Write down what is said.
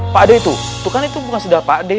pak de itu itu kan itu bukan sedal pak de